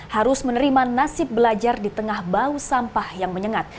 harus menerima nasib belajar di tengah bau sampah yang menyengat